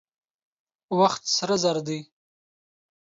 وخت سره زر دي.